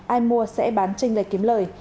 ai mua sẽ bán trên lệch kiếm lời